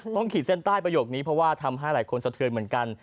ขีดเส้นใต้ประโยคนี้เพราะว่าทำให้หลายคนสะเทือนเหมือนกัน